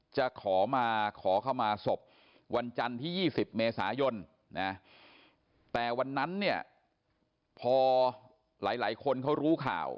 จะขอมาขอเข้ามาศพวันจันทร์ที่๒๐เมษายนนะแต่วันนั้นเนี่ยพอหลายคนเขารู้ข่าว